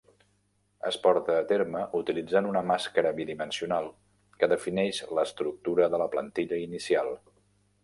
Es porta a terme utilitzant una màscara bidimensional que defineix l'estructura de la plantilla inicial.